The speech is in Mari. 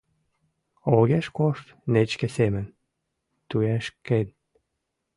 Огеш кошт, нечке семын, туешкен.